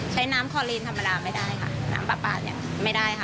ใช้น้ำคอลีนธรรมดาไม่ได้ค่ะน้ำปลาปลาเนี่ยไม่ได้ค่ะ